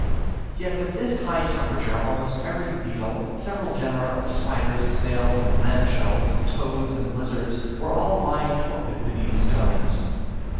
Yet with this high temperature, almost every beetle, several genera of spiders, snails, and land shells, toads and lizards were all lying torpid beneath stones.